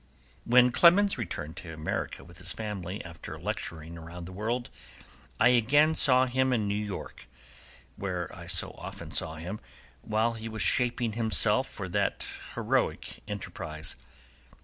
When Clemens returned to America with his family, after lecturing round the world, I again saw him in New York, where I so often saw him while he was shaping himself for that heroic enterprise.